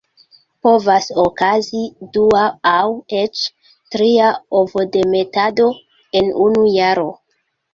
Povas okazi dua aŭ eĉ tria ovodemetado en unu jaro.